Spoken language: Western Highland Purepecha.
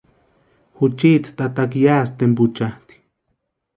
Juchiti tataka yásï tempuchaati.